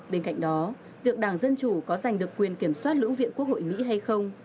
bên cạnh đó việc đảng dân chủ có giành được quyền kiểm soát lưỡng viện quốc hội mỹ hay không